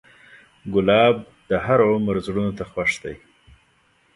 ګلاب د هر عمر زړونو ته خوښ دی.